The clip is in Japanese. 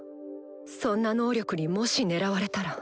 そんな能力にもし狙われたら。